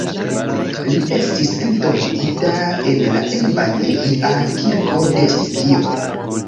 Li estis entombigita en la evangelia kirko de Sibio.